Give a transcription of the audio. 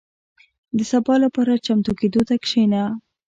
• د سبا لپاره چمتو کېدو ته کښېنه.